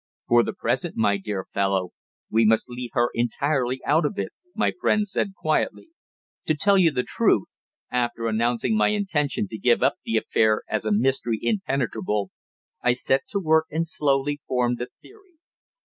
"For the present, my dear fellow, we must leave her entirely out of it," my friend said quietly. "To tell you the truth, after announcing my intention to give up the affair as a mystery impenetrable, I set to work and slowly formed a theory.